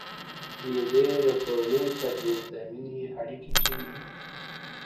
مېلې د کورنیو تر منځ د میني اړیکي ټینګي.